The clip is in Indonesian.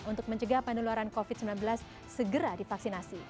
untuk mencegah penularan covid sembilan belas segera divaksinasi